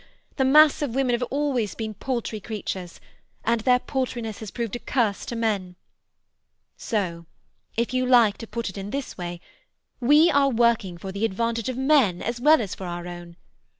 The mass of women have always been paltry creatures, and their paltriness has proved a curse to men. So, if you like to put it in this way, we are working for the advantage of men as well as for our own.